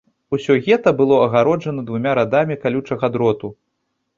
Усё гета было агароджана двумя радамі калючага дроту.